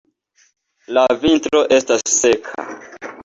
La vintro estas seka.